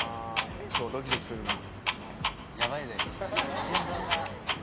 翔ドキドキするなぁ。